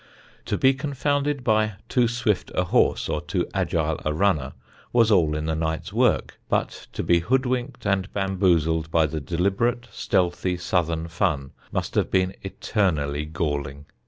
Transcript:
To be confounded by too swift a horse or too agile a "runner" was all in the night's work; but to be hoodwinked and bamboozled by the deliberate stealthy southern fun must have been eternally galling.